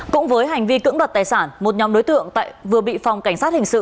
cũng với hành vi cưỡng đoạt tài sản một nhóm đối tượng vừa bị phòng cảnh sát hình sự